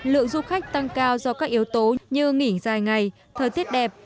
lượng du khách tăng cao do các yếu tố như nghỉ dài ngày thời tiết đẹp